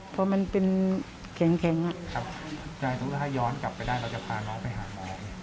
พอมันเป็นแข็งแข็งอ่ะครับยายต้องก็ให้ย้อนกลับไปได้เราจะพาน้องไปหาหมอ